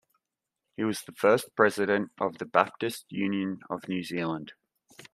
He was the first president of the Baptist Union of New Zealand.